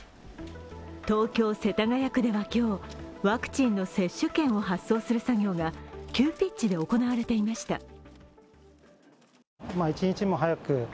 東京・世田谷区では今日、ワクチンの接種券を発送する作業が急ピッチで行われていました。